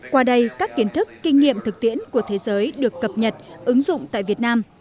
qua đây các kiến thức kinh nghiệm thực tiễn của thế giới được cập nhật ứng dụng tại việt nam